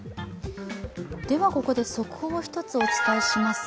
ここで速報を一つお伝えします。